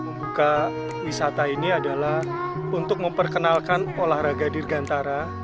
membuka wisata ini adalah untuk memperkenalkan olahraga dirgantara